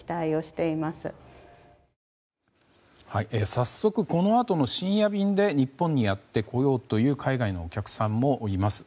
早速、このあとの深夜便で日本にやってこようという海外のお客さんもいます。